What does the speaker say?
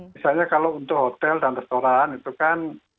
misalnya kalau untuk hotel dan restoran itu kan